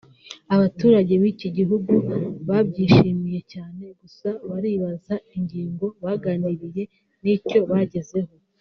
abaturage b’iki gihugu babyishimiye cyane gusa baribaza ingingo baganiriye n’icyo bagezeho